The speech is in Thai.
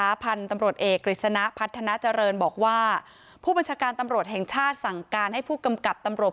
พันธุ์ตำรวจเอกกฤษณะพัฒนาเจริญบอกว่าผู้บัญชาการตำรวจแห่งชาติสั่งการให้ผู้กำกับตำรวจ